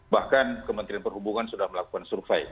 bahkan kementerian perhubungan sudah melakukan survei